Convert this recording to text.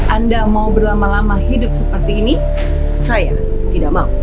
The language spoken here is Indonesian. anda mau berlama lama hidup seperti ini saya tidak mau